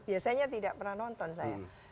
biasanya tidak pernah nonton saya